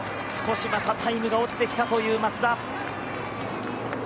少しまたタイムが落ちてきたという松田。